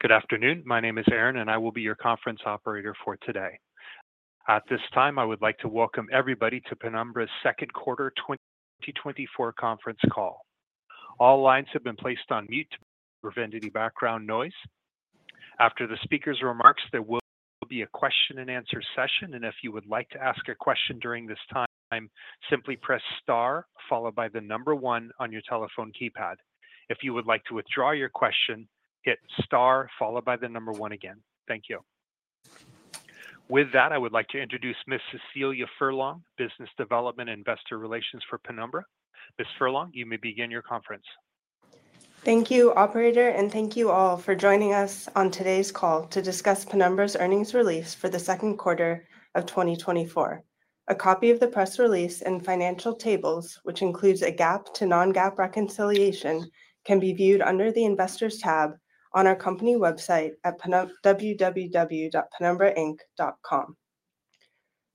Good afternoon. My name is Aaron, and I will be your conference operator for today. At this time, I would like to welcome everybody to Penumbra's second quarter 2024 conference call. All lines have been placed on mute to prevent any background noise. After the speaker's remarks, there will be a question and answer session, and if you would like to ask a question during this time, simply press star, followed by the number one on your telephone keypad. If you would like to withdraw your question, hit star followed by the number one again. Thank you. With that, I would like to introduce Ms. Cecilia Furlong, Business Development Investor Relations for Penumbra. Ms. Furlong, you may begin your conference. Thank you, operator, and thank you all for joining us on today's call to discuss Penumbra's earnings release for the second quarter of 2024. A copy of the press release and financial tables, which includes a GAAP to non-GAAP reconciliation, can be viewed under the Investors tab on our company website at www.penumbrainc.com.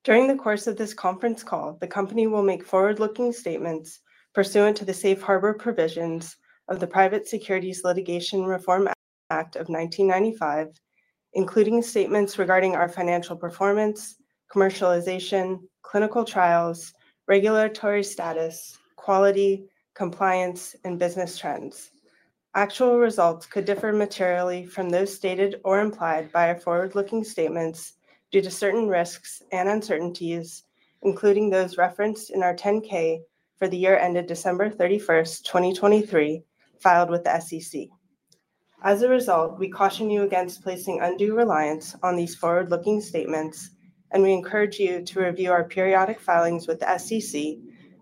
During the course of this conference call, the company will make forward-looking statements pursuant to the Safe Harbor Provisions of the Private Securities Litigation Reform Act of 1995, including statements regarding our financial performance, commercialization, clinical trials, regulatory status, quality, compliance, and business trends. Actual results could differ materially from those stated or implied by our forward-looking statements due to certain risks and uncertainties, including those referenced in our 10-K for the year ended December 31, 2023, filed with the SEC. As a result, we caution you against placing undue reliance on these forward-looking statements, and we encourage you to review our periodic filings with the SEC,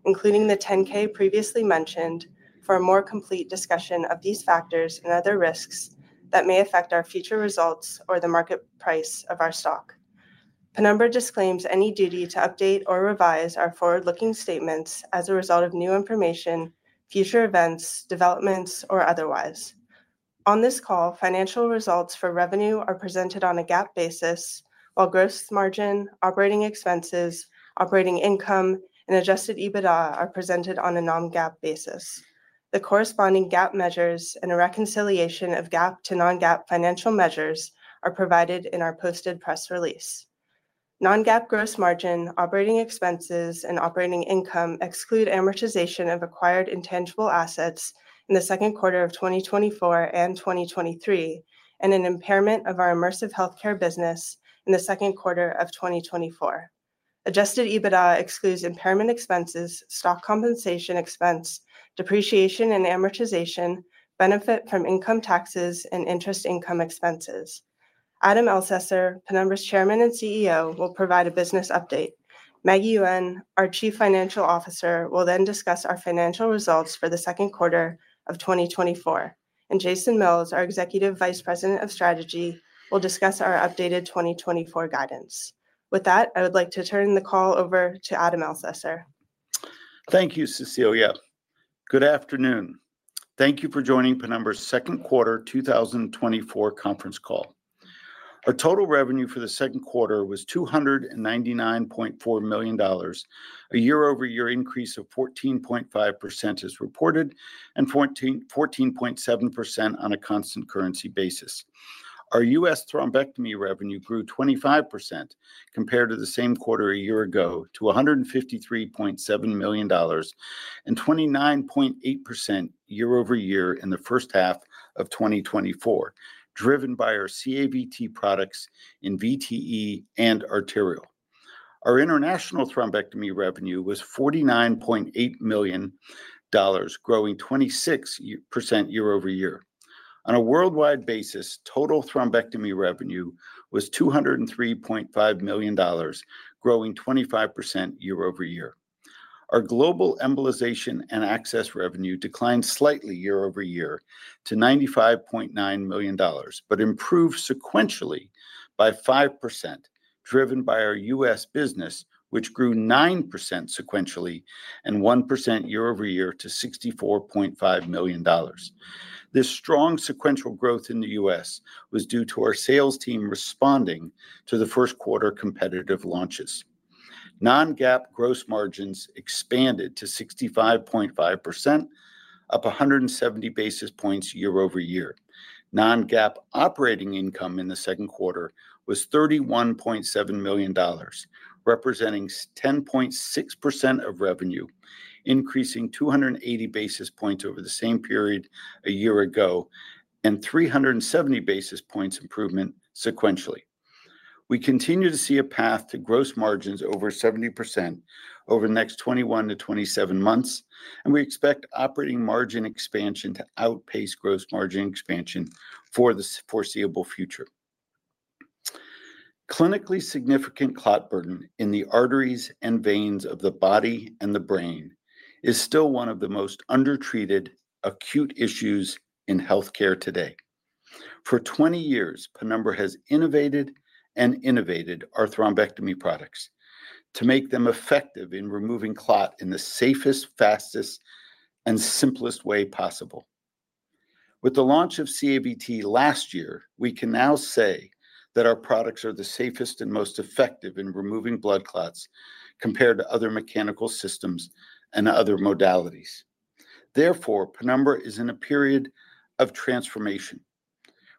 including the 10-K previously mentioned, for a more complete discussion of these factors and other risks that may affect our future results or the market price of our stock. Penumbra disclaims any duty to update or revise our forward-looking statements as a result of new information, future events, developments, or otherwise. On this call, financial results for revenue are presented on a GAAP basis, while gross margin, operating expenses, operating income, and Adjusted EBITDA are presented on a non-GAAP basis. The corresponding GAAP measures and a reconciliation of GAAP to non-GAAP financial measures are provided in our posted press release. Non-GAAP gross margin, operating expenses, and operating income exclude amortization of acquired intangible assets in the second quarter of 2024 and 2023, and an impairment of our Immersive Healthcare business in the second quarter of 2024. Adjusted EBITDA excludes impairment expenses, stock compensation expense, depreciation and amortization, benefit from income taxes, and interest income expenses. Adam Elsesser, Penumbra's Chairman and CEO, will provide a business update. Maggie Yuen, our Chief Financial Officer, will then discuss our financial results for the second quarter of 2024, and Jason Mills, our Executive Vice President of Strategy, will discuss our updated 2024 guidance. With that, I would like to turn the call over to Adam Elsesser. Thank you, Cecilia. Good afternoon. Thank you for joining Penumbra's second quarter 2024 conference call. Our total revenue for the second quarter was $299.4 million, a year-over-year increase of 14.5% as reported, and 14.7% on a constant currency basis. Our U.S. thrombectomy revenue grew 25% compared to the same quarter a year ago, to $153.7 million and 29.8% year over year in the first half of 2024, driven by our CAVT products in VTE and arterial. Our international thrombectomy revenue was $49.8 million, growing 26% year over year. On a worldwide basis, total thrombectomy revenue was $203.5 million, growing 25% year over year. Our global embolization and access revenue declined slightly year-over-year to $95.9 million, but improved sequentially by 5%, driven by our U.S. business, which grew 9% sequentially and 1% year-over-year to $64.5 million. This strong sequential growth in the U.S. was due to our sales team responding to the first quarter competitive launches. Non-GAAP gross margins expanded to 65.5%, up 170 basis points year-over-year. Non-GAAP operating income in the second quarter was $31.7 million, representing 10.6% of revenue, increasing 280 basis points over the same period a year ago, and 370 basis points improvement sequentially. We continue to see a path to gross margins over 70% over the next 21-27 months, and we expect operating margin expansion to outpace gross margin expansion for the foreseeable future. Clinically significant clot burden in the arteries and veins of the body and the brain is still one of the most undertreated acute issues in healthcare today. For 20 years, Penumbra has innovated and innovated our thrombectomy products to make them effective in removing clot in the safest, fastest, and simplest way possible. With the launch of CAVT last year, we can now say that our products are the safest and most effective in removing blood clots compared to other mechanical systems and other modalities.... Therefore, Penumbra is in a period of transformation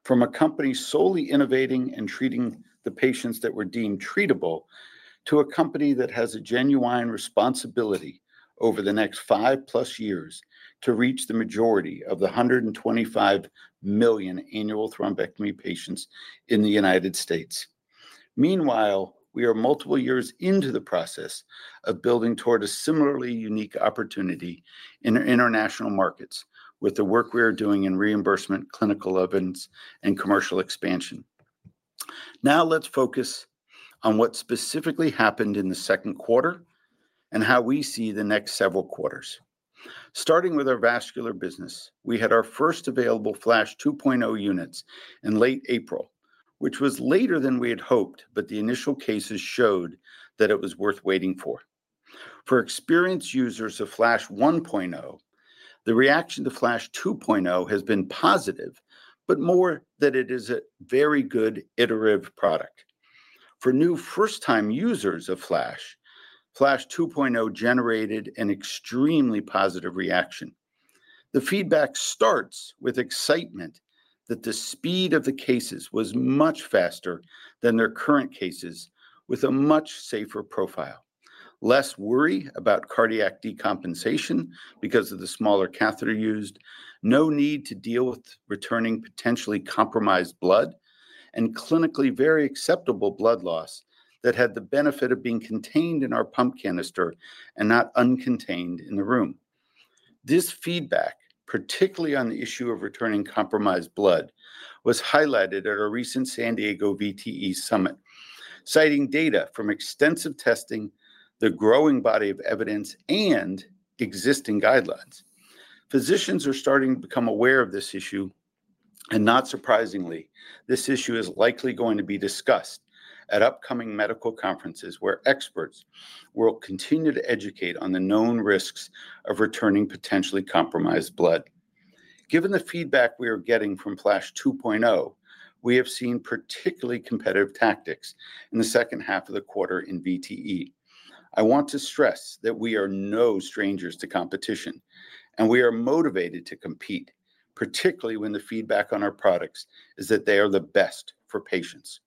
from a company solely innovating and treating the patients that were deemed treatable, to a company that has a genuine responsibility over the next 5+ years to reach the majority of the 1.25 million annual thrombectomy patients in the United States. Meanwhile, we are multiple years into the process of building toward a similarly unique opportunity in our international markets with the work we are doing in reimbursement, clinical events, and commercial expansion. Now let's focus on what specifically happened in the second quarter and how we see the next several quarters. Starting with our vascular business, we had our first available Flash 2.0 units in late April, which was later than we had hoped, but the initial cases showed that it was worth waiting for. For experienced users of Flash 1.0, the reaction to Flash 2.0 has been positive, but more that it is a very good iterative product. For new first-time users of Flash, Flash 2.0 generated an extremely positive reaction. The feedback starts with excitement that the speed of the cases was much faster than their current cases, with a much safer profile, less worry about cardiac decompensation because of the smaller catheter used, no need to deal with returning potentially compromised blood, and clinically very acceptable blood loss that had the benefit of being contained in our pump canister and not uncontained in the room. This feedback, particularly on the issue of returning compromised blood, was highlighted at a recent San Diego VTE summit, citing data from extensive testing, the growing body of evidence, and existing guidelines. Physicians are starting to become aware of this issue, and not surprisingly, this issue is likely going to be discussed at upcoming medical conferences, where experts will continue to educate on the known risks of returning potentially compromised blood. Given the feedback we are getting from Flash 2.0, we have seen particularly competitive tactics in the second half of the quarter in VTE. I want to stress that we are no strangers to competition, and we are motivated to compete, particularly when the feedback on our products is that they are the best for patients.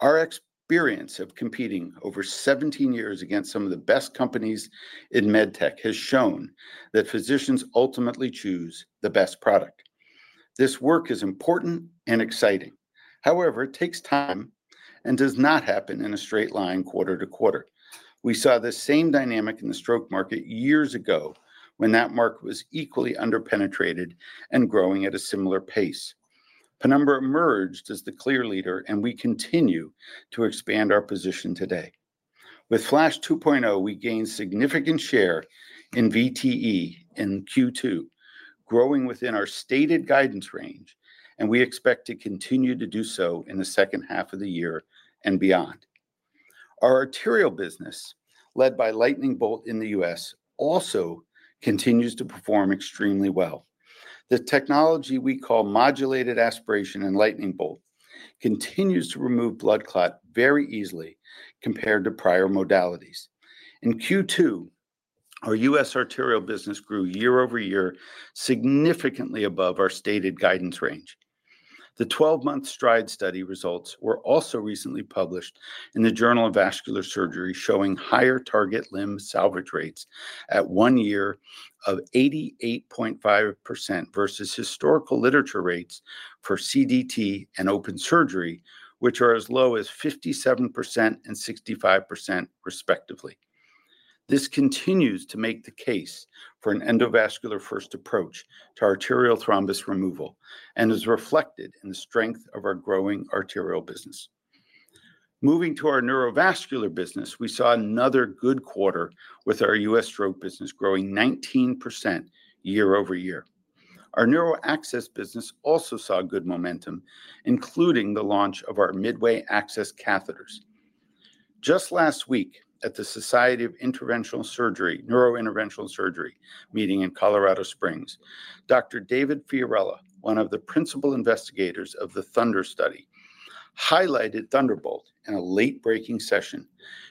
Our experience of competing over 17 years against some of the best companies in med tech has shown that physicians ultimately choose the best product. This work is important and exciting. However, it takes time and does not happen in a straight line quarter to quarter. We saw the same dynamic in the stroke market years ago when that market was equally underpenetrated and growing at a similar pace. Penumbra emerged as the clear leader, and we continue to expand our position today. With Flash 2.0, we gained significant share in VTE in Q2, growing within our stated guidance range, and we expect to continue to do so in the second half of the year and beyond. Our arterial business, led by Lightning Bolt in the U.S., also continues to perform extremely well. The technology we call modulated aspiration in Lightning Bolt continues to remove blood clot very easily compared to prior modalities. In Q2, our U.S. arterial business grew year-over-year, significantly above our stated guidance range. The 12-month STRIDE study results were also recently published in the Journal of Vascular Surgery, showing higher target limb salvage rates at one year of 88.5% versus historical literature rates for CDT and open surgery, which are as low as 57% and 65%, respectively. This continues to make the case for an endovascular first approach to arterial thrombus removal and is reflected in the strength of our growing arterial business. Moving to our neurovascular business, we saw another good quarter with our U.S. stroke business growing 19% year-over-year. Our neuro access business also saw good momentum, including the launch of our Midway access catheters. Just last week, at the Society of NeuroInterventional Surgery Meeting in Colorado Springs, Dr. David Fiorella, one of the principal investigators of the THUNDER study, highlighted Thunderbolt in a late-breaking session,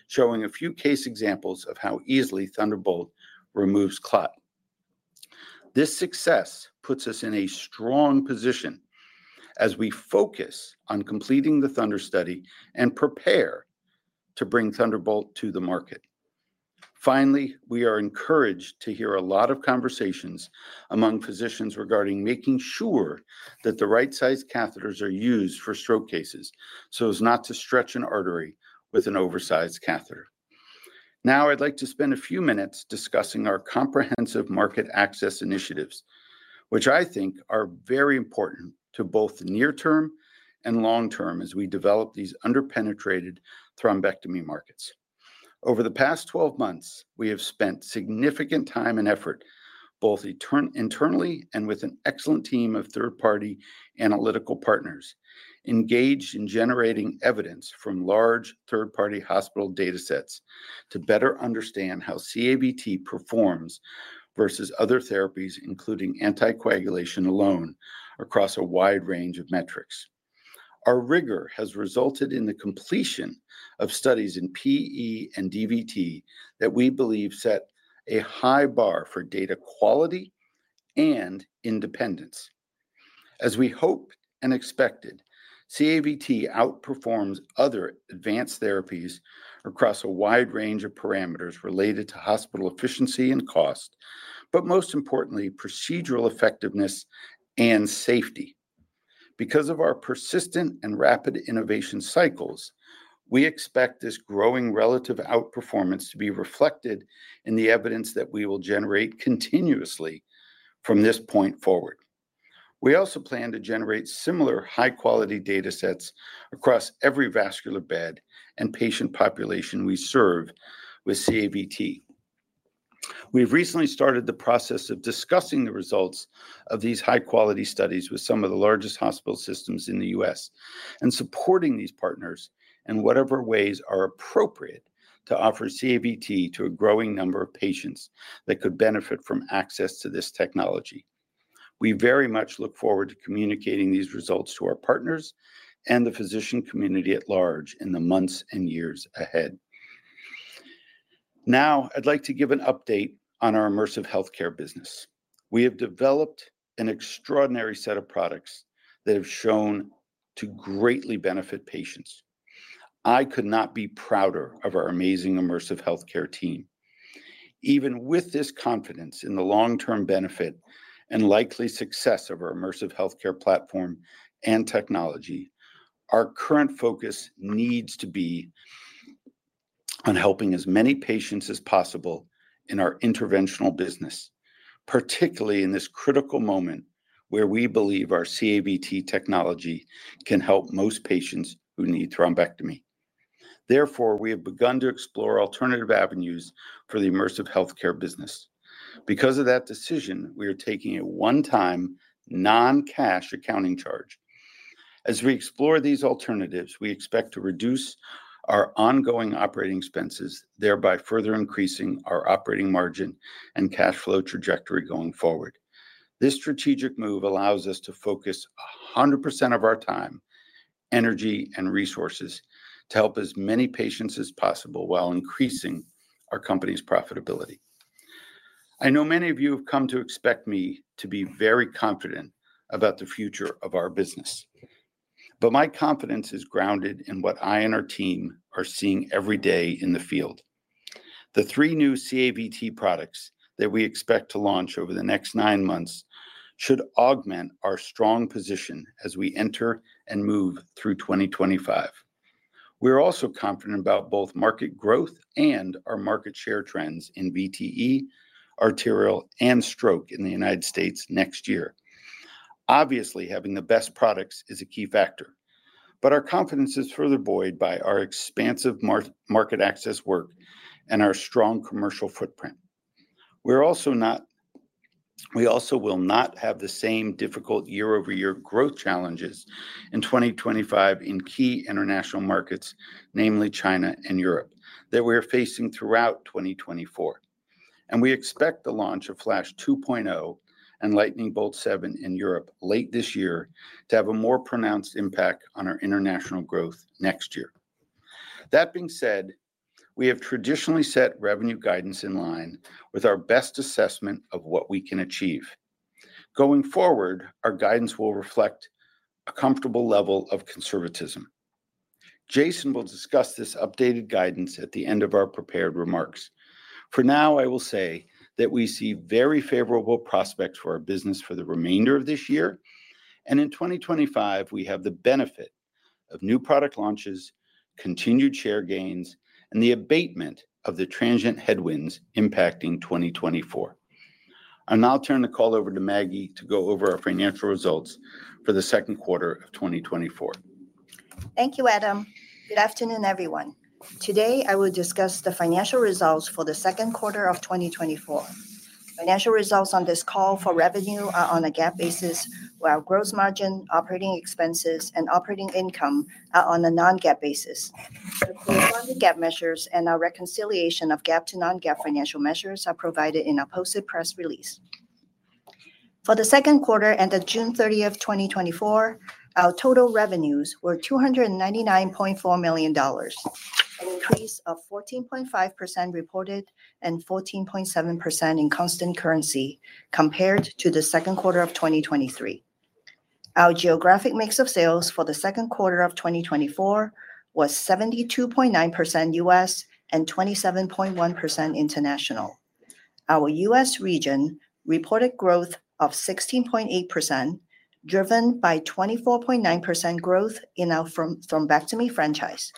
showing a few case examples of how easily Thunderbolt removes clot. This success puts us in a strong position as we focus on completing the THUNDER study and prepare to bring Thunderbolt to the market. Finally, we are encouraged to hear a lot of conversations among physicians regarding making sure that the right size catheters are used for stroke cases, so as not to stretch an artery with an oversized catheter. Now, I'd like to spend a few minutes discussing our comprehensive market access initiatives, which I think are very important to both the near term and long term as we develop these underpenetrated thrombectomy markets. Over the past 12 months, we have spent significant time and effort, both internally and with an excellent team of third-party analytical partners, engaged in generating evidence from large third-party hospital datasets to better understand how CAVT performs versus other therapies, including anticoagulation alone, across a wide range of metrics. Our rigor has resulted in the completion of studies in PE and DVT that we believe set a high bar for data quality and independence. As we hoped and expected, CAVT outperforms other advanced therapies across a wide range of parameters related to hospital efficiency and cost, but most importantly, procedural effectiveness and safety. Because of our persistent and rapid innovation cycles, we expect this growing relative outperformance to be reflected in the evidence that we will generate continuously from this point forward. We also plan to generate similar high-quality data sets across every vascular bed and patient population we serve with CAVT. We've recently started the process of discussing the results of these high-quality studies with some of the largest hospital systems in the US, and supporting these partners in whatever ways are appropriate to offer CAVT to a growing number of patients that could benefit from access to this technology. We very much look forward to communicating these results to our partners and the physician community at large in the months and years ahead. Now, I'd like to give an update on our Immersive Healthcare business. We have developed an extraordinary set of products that have shown to greatly benefit patients. I could not be prouder of our amazing Immersive Healthcare team. Even with this confidence in the long-term benefit and likely success of our Immersive Healthcare platform and technology, our current focus needs to be on helping as many patients as possible in our interventional business, particularly in this critical moment, where we believe our CAVT technology can help most patients who need thrombectomy. Therefore, we have begun to explore alternative avenues for the Immersive Healthcare business. Because of that decision, we are taking a one-time, non-cash accounting charge. As we explore these alternatives, we expect to reduce our ongoing operating expenses, thereby further increasing our operating margin and cash flow trajectory going forward. This strategic move allows us to focus 100% of our time, energy, and resources to help as many patients as possible while increasing our company's profitability. I know many of you have come to expect me to be very confident about the future of our business, but my confidence is grounded in what I and our team are seeing every day in the field. The three new CAVT products that we expect to launch over the next nine months should augment our strong position as we enter and move through 2025. We're also confident about both market growth and our market share trends in VTE, arterial, and stroke in the United States next year. Obviously, having the best products is a key factor, but our confidence is further buoyed by our expansive market access work and our strong commercial footprint. We're also we also will not have the same difficult year-over-year growth challenges in 2025 in key international markets, namely China and Europe, that we're facing throughout 2024, and we expect the launch of Flash 2.0 and Lightning Bolt 7 in Europe late this year to have a more pronounced impact on our international growth next year. That being said, we have traditionally set revenue guidance in line with our best assessment of what we can achieve. Going forward, our guidance will reflect a comfortable level of conservatism. Jason will discuss this updated guidance at the end of our prepared remarks. For now, I will say that we see very favorable prospects for our business for the remainder of this year, and in 2025, we have the benefit of new product launches, continued share gains, and the abatement of the transient headwinds impacting 2024. I'll now turn the call over to Maggie to go over our financial results for the second quarter of 2024. Thank you, Adam. Good afternoon, everyone. Today, I will discuss the financial results for the second quarter of 2024. Financial results on this call for revenue are on a GAAP basis, while gross margin, operating expenses, and operating income are on a non-GAAP basis. The GAAP measures and our reconciliation of GAAP to non-GAAP financial measures are provided in our posted press release. For the second quarter ended June 30, 2024, our total revenues were $299.4 million, an increase of 14.5% reported and 14.7% in constant currency compared to the second quarter of 2023. Our geographic mix of sales for the second quarter of 2024 was 72.9% US and 27.1% international. Our US region reported growth of 16.8%, driven by 24.9% growth in our thrombectomy franchise.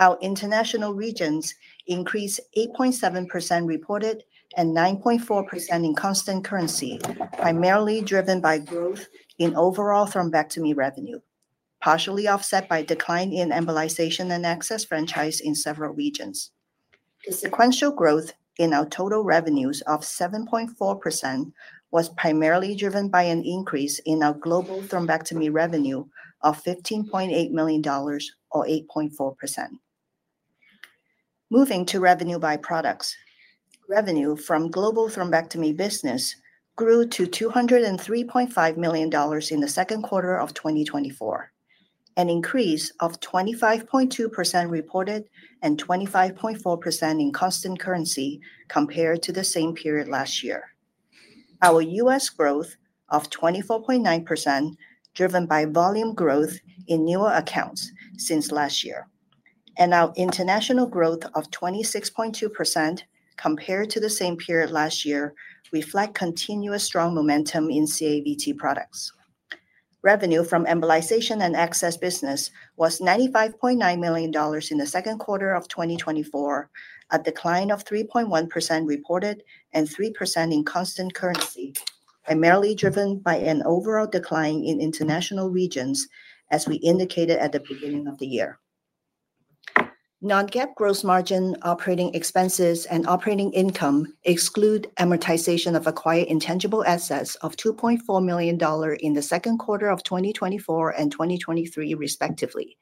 Our international regions increased 8.7% reported and 9.4% in constant currency, primarily driven by growth in overall thrombectomy revenue, partially offset by decline in embolization and access franchise in several regions. The sequential growth in our total revenues of 7.4% was primarily driven by an increase in our global thrombectomy revenue of $15.8 million or 8.4%. Moving to revenue by products, revenue from global thrombectomy business grew to $203.5 million in the second quarter of 2024, an increase of 25.2% reported and 25.4% in constant currency compared to the same period last year. Our U.S. growth of 24.9%, driven by volume growth in newer accounts since last year, and our international growth of 26.2% compared to the same period last year, reflect continuous strong momentum in CAVT products. Revenue from embolization and access business was $95.9 million in the second quarter of 2024, a decline of 3.1% reported and 3% in constant currency, primarily driven by an overall decline in international regions, as we indicated at the beginning of the year. Non-GAAP gross margin operating expenses and operating income exclude amortization of acquired intangible assets of $2.4 million dollar in the second quarter of 2024 and 2023 respectively,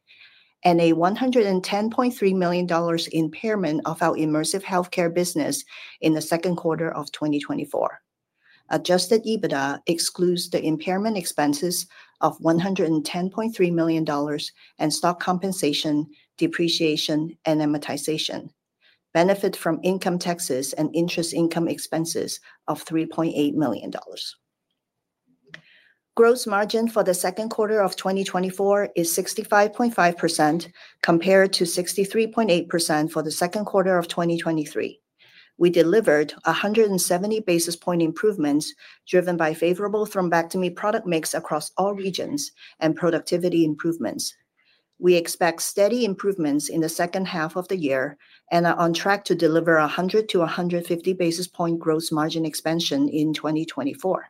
and a $110.3 million dollars impairment of our Immersive Healthcare business in the second quarter of 2024. Adjusted EBITDA excludes the impairment expenses of $110.3 million and stock compensation, depreciation, and amortization, benefit from income taxes and interest income expenses of $3.8 million. Gross margin for the second quarter of 2024 is 65.5%, compared to 63.8% for the second quarter of 2023. We delivered 170 basis point improvements, driven by favorable thrombectomy product mix across all regions and productivity improvements. We expect steady improvements in the second half of the year and are on track to deliver 100-150 basis point gross margin expansion in 2024.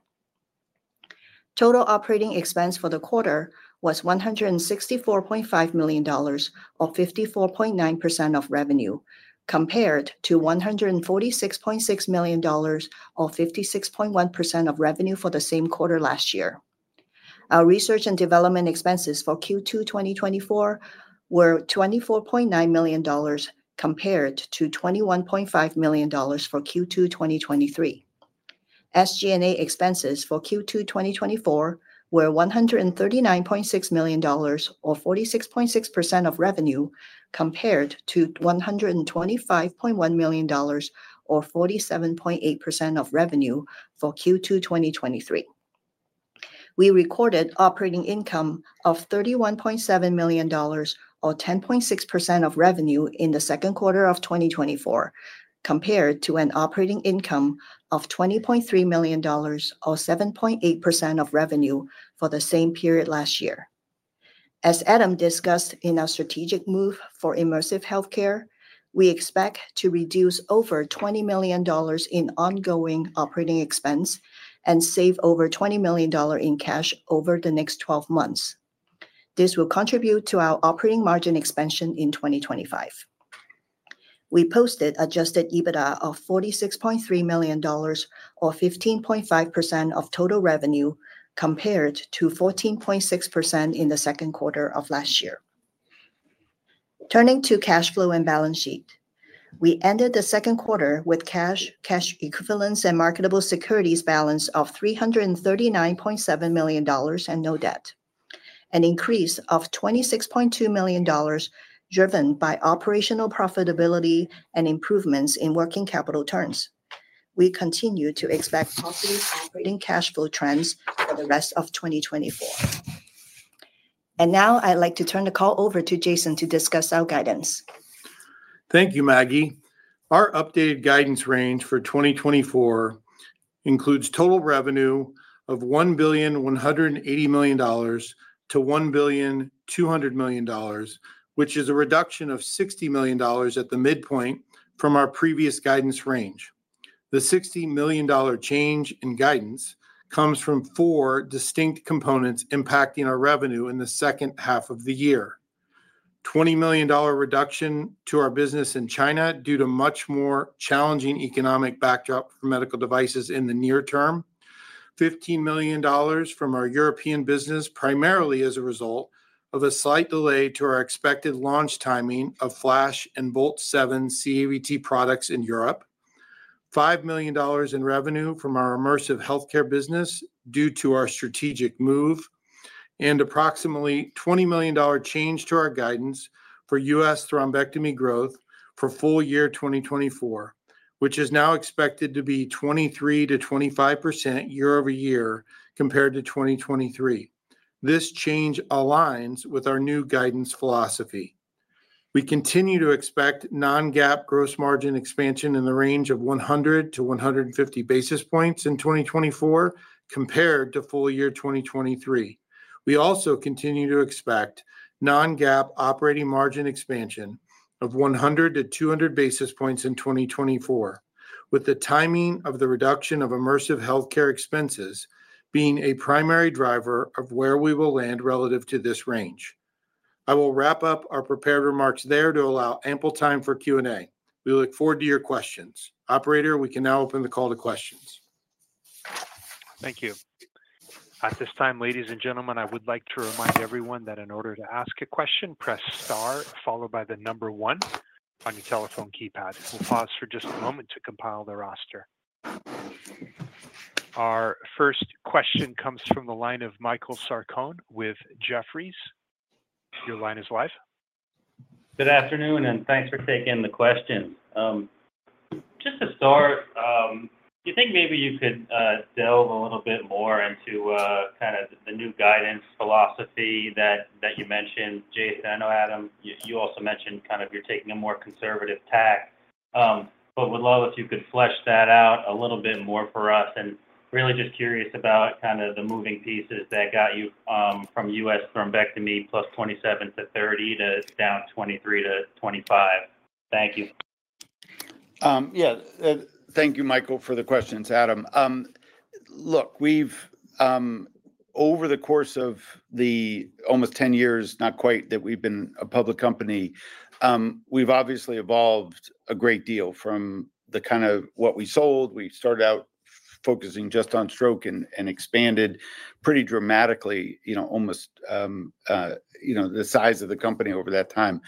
Total operating expense for the quarter was $164.5 million, or 54.9% of revenue, compared to $146.6 million, or 56.1% of revenue for the same quarter last year. Our research and development expenses for Q2 2024 were $24.9 million, compared to $21.5 million for Q2 2023. SG&A expenses for Q2 2024 were $139.6 million, or 46.6% of revenue, compared to $125.1 million, or 47.8% of revenue for Q2 2023. We recorded operating income of $31.7 million, or 10.6% of revenue, in the second quarter of 2024, compared to an operating income of $20.3 million, or 7.8% of revenue, for the same period last year. As Adam discussed in our strategic move for Immersive Healthcare, we expect to reduce over $20 million in ongoing operating expense and save over $20 million in cash over the next twelve months. This will contribute to our operating margin expansion in 2025. We posted adjusted EBITDA of $46.3 million, or 15.5% of total revenue, compared to 14.6% in the second quarter of last year. Turning to cash flow and balance sheet. We ended the second quarter with cash, cash equivalents, and marketable securities balance of $339.7 million and no debt, an increase of $26.2 million, driven by operational profitability and improvements in working capital terms. We continue to expect positive operating cash flow trends for the rest of 2024. Now I'd like to turn the call over to Jason to discuss our guidance. Thank you, Maggie. Our updated guidance range for 2024 includes total revenue of $1.18 billion-$1.2 billion, which is a reduction of $60 million at the midpoint from our previous guidance range. The $60 million dollar change in guidance comes from four distinct components impacting our revenue in the second half of the year. $20 million dollar reduction to our business in China due to much more challenging economic backdrop for medical devices in the near term. $15 million from our European business, primarily as a result of a slight delay to our expected launch timing of Flash and Bolt 7 CAVT products in Europe. $5 million in revenue from our Immersive Healthcare business due to our strategic move, and approximately $20 million change to our guidance for US thrombectomy growth for full year 2024, which is now expected to be 23%-25% year-over-year compared to 2023. This change aligns with our new guidance philosophy. We continue to expect non-GAAP gross margin expansion in the range of 100-150 basis points in 2024, compared to full year 2023. We also continue to expect non-GAAP operating margin expansion of 100-200 basis points in 2024, with the timing of the reduction of Immersive Healthcare expenses being a primary driver of where we will land relative to this range. I will wrap up our prepared remarks there to allow ample time for Q&A. We look forward to your questions. Operator, we can now open the call to questions. Thank you. At this time, ladies and gentlemen, I would like to remind everyone that in order to ask a question, press star, followed by the number one on your telephone keypad. We'll pause for just a moment to compile the roster.... Our first question comes from the line of Michael Sarcone with Jefferies. Your line is live. Good afternoon, and thanks for taking the questions. Just to start, do you think maybe you could delve a little bit more into kind of the new guidance philosophy that you mentioned, Jason? I know, Adam, you also mentioned kind of you're taking a more conservative tack. But would love if you could flesh that out a little bit more for us, and really just curious about kind of the moving pieces that got you from US thrombectomy plus 27-30, to down 23-25. Thank you. Yeah. Thank you, Michael, for the questions. Adam, look, we've... Over the course of the almost 10 years, not quite, that we've been a public company, we've obviously evolved a great deal from the kind of what we sold. We started out focusing just on stroke and, and expanded pretty dramatically, you know, almost, you know, the size of the company over that time.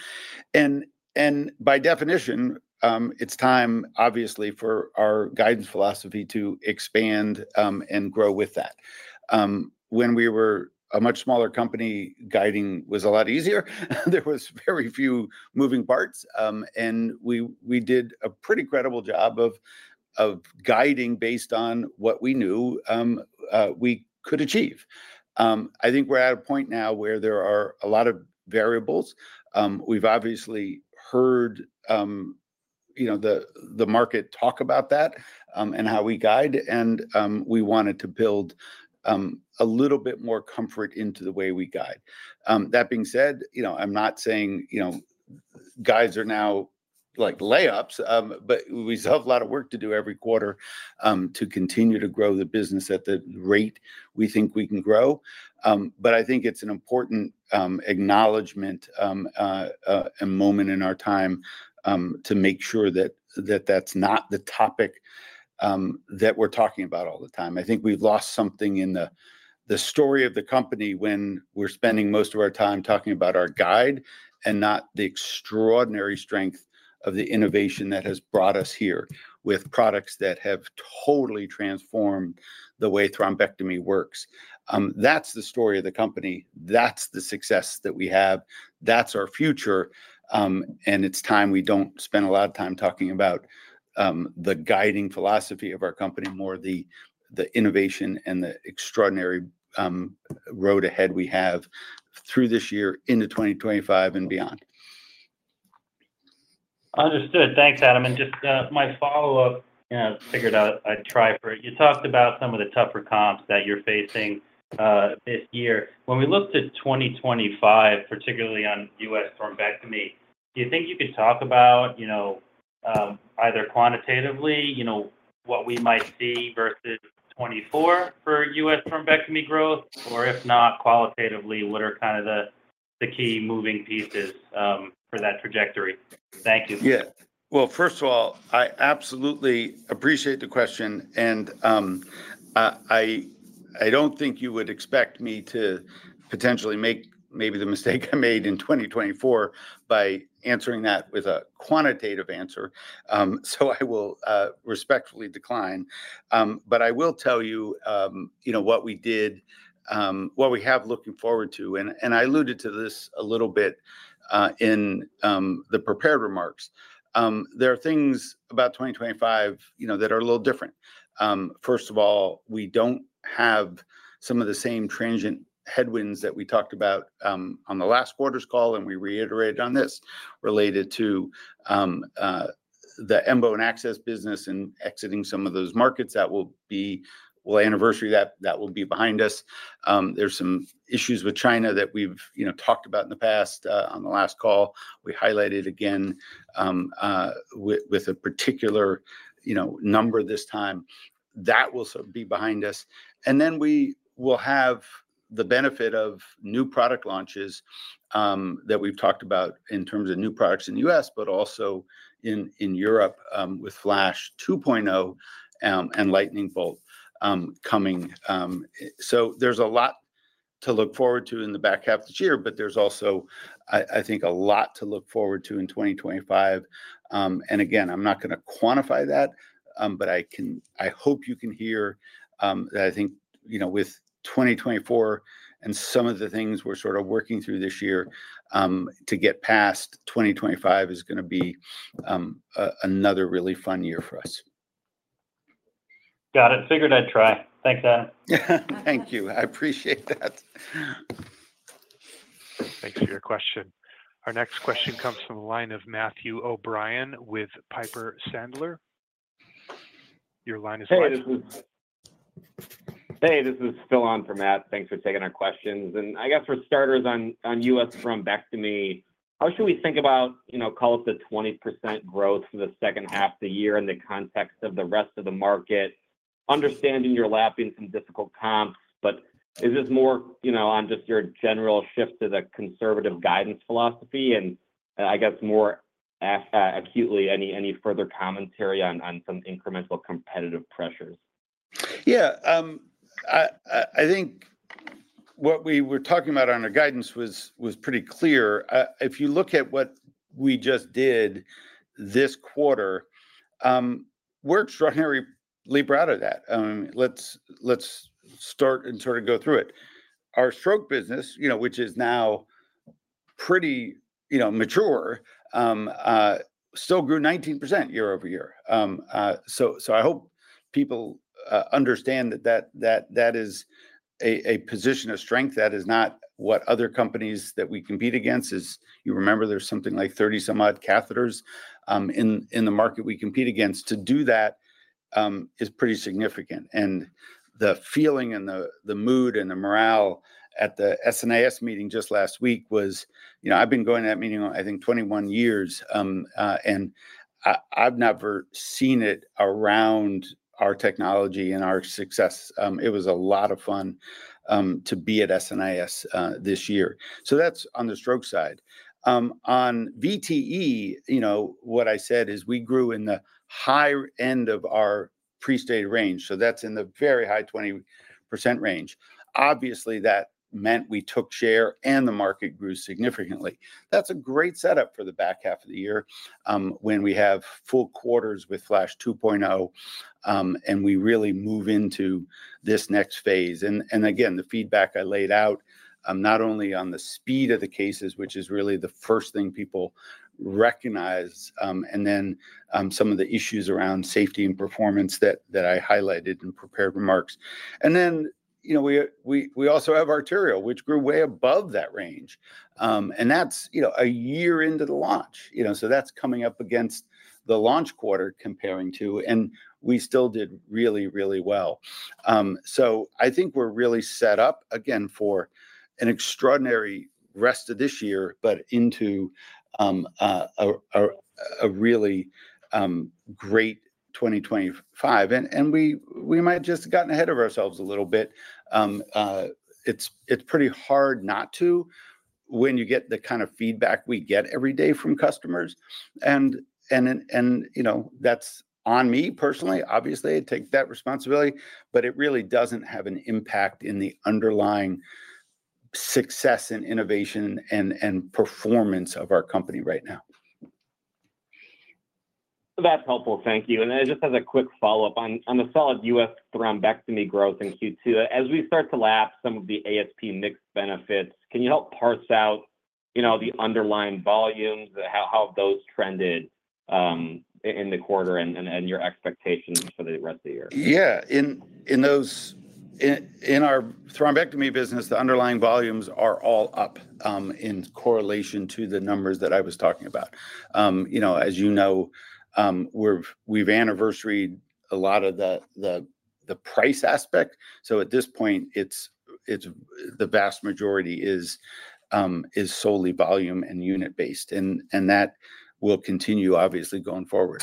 And, and by definition, it's time, obviously, for our guidance philosophy to expand, and grow with that. When we were a much smaller company, guiding was a lot easier. There was very few moving parts, and we, we did a pretty credible job of, of guiding based on what we knew, we could achieve. I think we're at a point now where there are a lot of variables. We've obviously heard, you know, the market talk about that, and how we guide, and we wanted to build a little bit more comfort into the way we guide. That being said, you know, I'm not saying, you know, guides are now like layups, but we still have a lot of work to do every quarter, to continue to grow the business at the rate we think we can grow. But I think it's an important acknowledgment, and moment in our time, to make sure that that's not the topic that we're talking about all the time. I think we've lost something in the story of the company when we're spending most of our time talking about our guide and not the extraordinary strength of the innovation that has brought us here, with products that have totally transformed the way thrombectomy works. That's the story of the company. That's the success that we have. That's our future, and it's time we don't spend a lot of time talking about the guiding philosophy of our company, more the innovation and the extraordinary road ahead we have through this year into 2025 and beyond. Understood. Thanks, Adam, and just, my follow-up, you know, figured out I'd try for it. You talked about some of the tougher comps that you're facing, this year. When we looked at 2025, particularly on US thrombectomy, do you think you could talk about, you know, either quantitatively, what we might see versus 2024 for US thrombectomy growth? Or if not, qualitatively, what are kind of the, the key moving pieces, for that trajectory? Thank you. Yeah. Well, first of all, I absolutely appreciate the question, and I don't think you would expect me to potentially make maybe the mistake I made in 2024 by answering that with a quantitative answer. So I will respectfully decline. But I will tell you, you know, what we did, what we have looking forward to, and I alluded to this a little bit, in the prepared remarks. There are things about 2025, you know, that are a little different. First of all, we don't have some of the same transient headwinds that we talked about, on the last quarter's call, and we reiterated on this, related to, the Embo and Access business and exiting some of those markets that will be- we'll anniversary that, that will be behind us. There's some issues with China that we've, you know, talked about in the past, on the last call. We highlighted again, with, with a particular, you know, number this time. That will sort of be behind us, and then we will have the benefit of new product launches, that we've talked about in terms of new products in the US, but also in, in Europe, with Flash 2.0, and Lightning Bolt, coming, so there's a lot to look forward to in the back half of this year, but there's also, I, I think, a lot to look forward to in 2025. And again, I'm not gonna quantify that, but I hope you can hear that I think, you know, with 2024 and some of the things we're sort of working through this year, to get past, 2025 is gonna be another really fun year for us. Got it. Figured I'd try. Thanks, Adam. Thank you. I appreciate that. Thanks for your question. Our next question comes from the line of Matthew O'Brien with Piper Sandler. Your line is live. Hey, this is Phil on for Matt. Thanks for taking our questions. I guess for starters on US thrombectomy, how should we think about, you know, call it the 20% growth in the second half of the year in the context of the rest of the market? Understanding you're lapping some difficult comps, but is this more, you know, on just your general shift to the conservative guidance philosophy, and I guess more acutely, any further commentary on some incremental competitive pressures? Yeah, I think what we were talking about on our guidance was pretty clear. If you look at what we just did this quarter, we're extraordinary leap out of that. Let's start and sort of go through it. Our stroke business, you know, which is now pretty mature, you know, still grew 19% year-over-year. So I hope people understand that that is a position of strength. That is not what other companies that we compete against is. You remember there's something like 30-some-odd catheters in the market we compete against. To do that, is pretty significant, and the feeling and the mood and the morale at the SNIS meeting just last week was— You know, I've been going to that meeting, I think, 21 years, and I've never seen it around our technology and our success. It was a lot of fun, to be at SNIS, this year. So that's on the stroke side. On VTE, you know, what I said is we grew in the higher end of our pre-stated range, so that's in the very high 20% range. Obviously, that meant we took share and the market grew significantly. That's a great setup for the back half of the year, when we have full quarters with Flash 2.0, and we really move into this next phase. And again, the feedback I laid out, not only on the speed of the cases, which is really the first thing people recognize, and then, some of the issues around safety and performance that I highlighted in prepared remarks. And then, you know, we also have arterial, which grew way above that range. And that's, you know, a year into the launch, you know, so that's coming up against the launch quarter comparing to, and we still did really, really well. So I think we're really set up again for an extraordinary rest of this year, but into, a really, great 2025. And we might just have gotten ahead of ourselves a little bit. It's pretty hard not to, when you get the kind of feedback we get every day from customers. You know, that's on me personally, obviously. I take that responsibility, but it really doesn't have an impact on the underlying success and innovation and performance of our company right now. That's helpful. Thank you. And then just as a quick follow-up on the solid U.S. thrombectomy growth in Q2, as we start to lap some of the ASP mix benefits, can you help parse out, you know, the underlying volumes, how those trended in the quarter and your expectations for the rest of the year? Yeah. In our thrombectomy business, the underlying volumes are all up, in correlation to the numbers that I was talking about. You know, we've anniversaried a lot of the price aspect, so at this point, it's the vast majority is solely volume and unit based. And that will continue, obviously, going forward.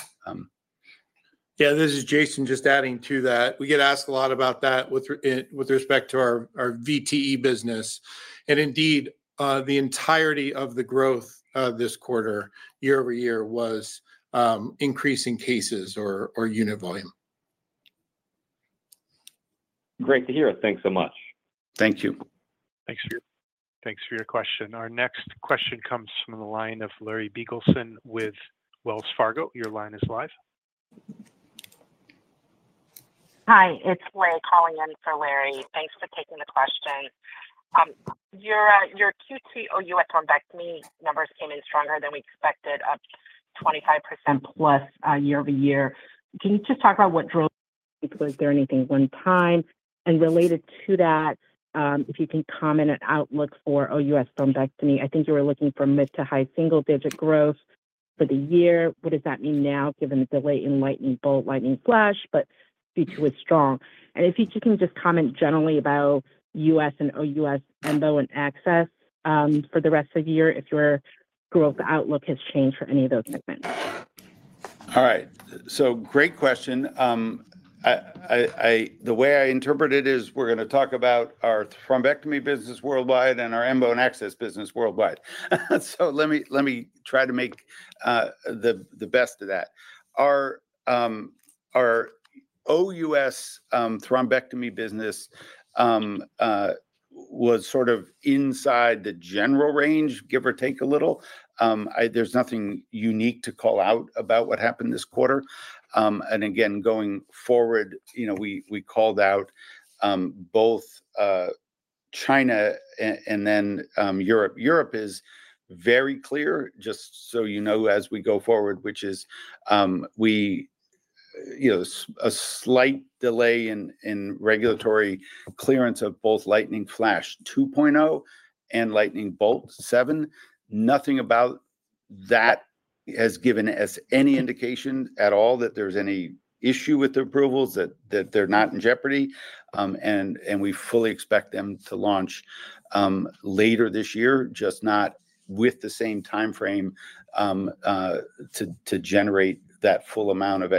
Yeah, this is Jason, just adding to that. We get asked a lot about that with respect to our VTE business. And indeed, the entirety of the growth of this quarter, year-over-year, was increasing cases or unit volume. Great to hear. Thanks so much. Thank you. Thanks for your question. Our next question comes from the line of Larry Biegelsen with Wells Fargo. Your line is live. Hi, it's Ray calling in for Larry. Thanks for taking the question. Your Q2 OUS thrombectomy numbers came in stronger than we expected, up 25%+, year-over-year. Can you just talk about what drove? Was there anything one-time? And related to that, if you can comment on outlook for OUS thrombectomy, I think you were looking for mid- to high-single-digit growth for the year. What does that mean now, given the delay in Lightning Bolt, Lightning Flash, but Q2 is strong? And if you can just comment generally about US and OUS, Embo and Access, for the rest of the year, if your growth outlook has changed for any of those segments. All right, so great question. The way I interpret it is we're gonna talk about our thrombectomy business worldwide and our Embo and Access business worldwide. So let me try to make the best of that. Our OUS thrombectomy business was sort of inside the general range, give or take a little. There's nothing unique to call out about what happened this quarter. And again, going forward, you know, we called out both China and then Europe. Europe is very clear, just so you know, as we go forward, which is we, you know, a slight delay in regulatory clearance of both Lightning Flash 2.0 and Lightning Bolt 7. Nothing about that has given us any indication at all that there's any issue with the approvals, that they're not in jeopardy, and we fully expect them to launch later this year, just not with the same time frame to generate that full amount of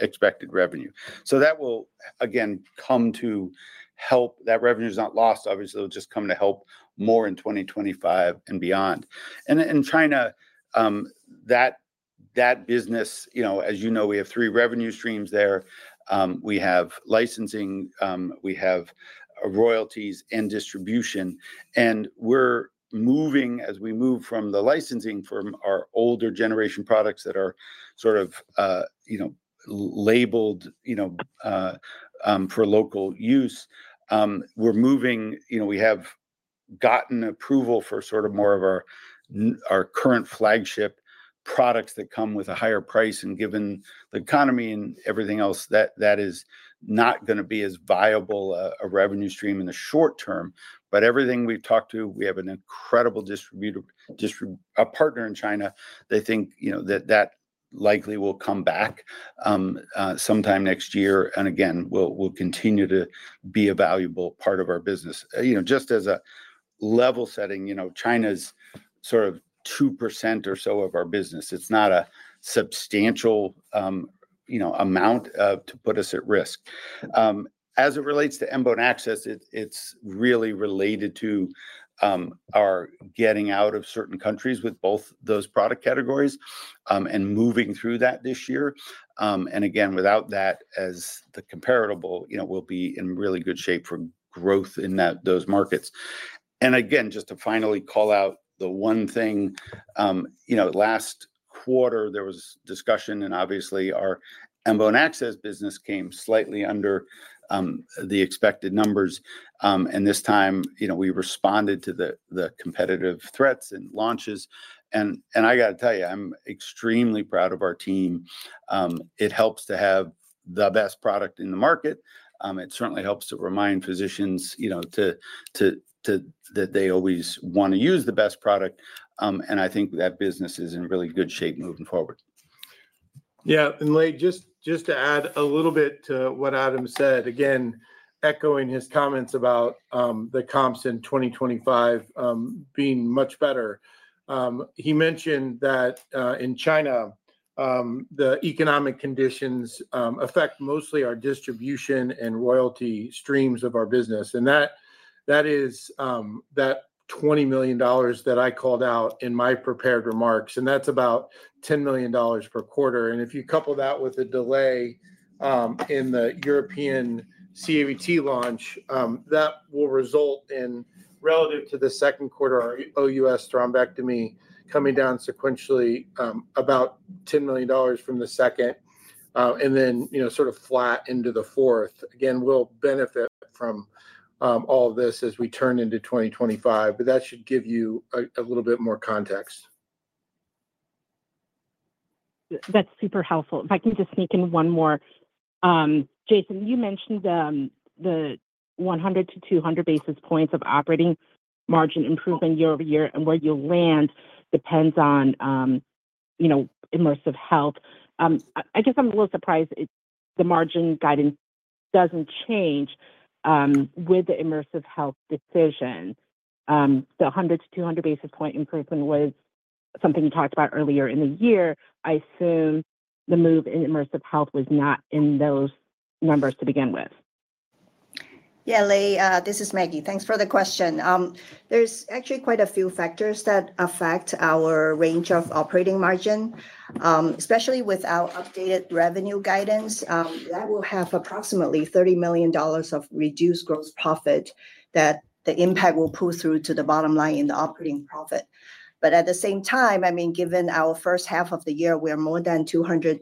expected revenue. So that will, again, come to help. That revenue is not lost, obviously. It will just come to help more in 2025 and beyond. And in China, that business, you know, as you know, we have three revenue streams there. We have licensing, we have royalties and distribution, and we're moving as we move from the licensing from our older generation products that are sort of, you know, labeled, you know, for local use. We're moving—you know, we have gotten approval for sort of more of our current flagship products that come with a higher price, and given the economy and everything else, that is not gonna be as viable a revenue stream in the short term. But everything we've talked to, we have an incredible distributor—a partner in China. They think, you know, that that likely will come back sometime next year, and again, will continue to be a valuable part of our business. You know, just as a level setting, you know, China's sort of 2% or so of our business. It's not a substantial amount to put us at risk. As it relates to embo access, it's really related to our getting out of certain countries with both those product categories, and moving through that this year. And again, without that as the comparable, you know, we'll be in really good shape for growth in those markets. And again, just to finally call out the one thing, you know, last quarter there was discussion, and obviously, our embo access business came slightly under the expected numbers. And this time, you know, we responded to the competitive threats and launches, and I got to tell you, I'm extremely proud of our team. It helps to have the best product in the market. It certainly helps to remind physicians, you know, that they always want to use the best product, and I think that business is in really good shape moving forward. Yeah, and Ray, just, just to add a little bit to what Adam said, again, echoing his comments about the comps in 2025 being much better. He mentioned that in China the economic conditions affect mostly our distribution and royalty streams of our business, and that, that is, that $20 million that I called out in my prepared remarks, and that's about $10 million per quarter. And if you couple that with the delay in the European CAVT launch, that will result in relative to the second quarter, our OUS thrombectomy coming down sequentially about $10 million from the second, and then, you know, sort of flat into the fourth. Again, we'll benefit from all this as we turn into 2025, but that should give you a little bit more context. That's super helpful. If I can just sneak in one more. Jason, you mentioned the 100-200 basis points of operating margin improving year-over-year, and where you'll land depends on, you know, Immersive Health. I guess I'm a little surprised the margin guidance doesn't change with the Immersive Health decision. The 100-200 basis point improvement was something you talked about earlier in the year. I assume the move in Immersive Health was not in those numbers to begin with. Yeah, Ray, this is Maggie. Thanks for the question. There's actually quite a few factors that affect our range of operating margin. Especially with our updated revenue guidance, that will have approximately $30 million of reduced gross profit, that the impact will pull through to the bottom line in the operating profit. But at the same time, I mean, given our first half of the year, we are more than 200